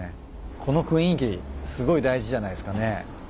この雰囲気すごい大事じゃないですかね。